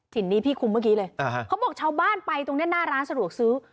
หินนี้พี่คุมเมื่อกี้เลยเขาบอกชาวบ้านไปตรงนี้หน้าร้านสะดวกซื้อ